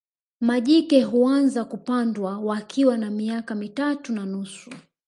Majike huanza kupandwa wakiwa na miaka mitatu na nusu